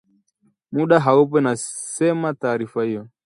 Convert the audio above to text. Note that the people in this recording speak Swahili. Muda haupo, inasema taarifa hiyo